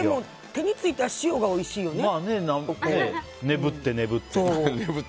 手についた塩がおいしいね。